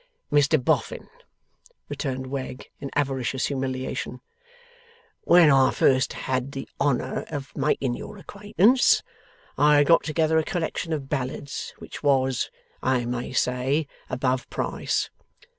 'Mr Boffin,' returned Wegg in avaricious humiliation: 'when I first had the honour of making your acquaintance, I had got together a collection of ballads which was, I may say, above price.